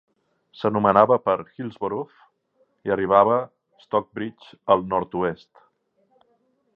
S'anomenava per Hillsborough i arribava Stocksbridge al nord-oest.